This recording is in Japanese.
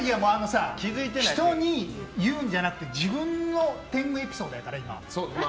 人に言うんじゃなくて自分の天狗エピソードやから、今。